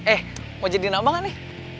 eh mau jadi nama banget nih